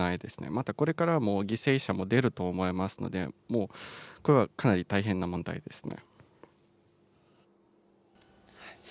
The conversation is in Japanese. またこれからも犠牲者も出ると思いますので、もう、これはかなり大変な問題ですね。